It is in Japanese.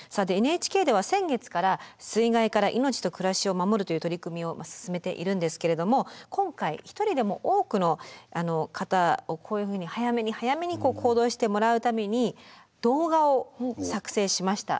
さてＮＨＫでは先月から「水害から命と暮らしを守る」という取り組みを進めているんですけれども今回一人でも多くの方をこういうふうに早めに早めに行動してもらうために動画を作成しました。